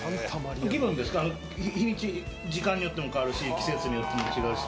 気分ですか日にち時間によっても変わるし季節によっても違うし。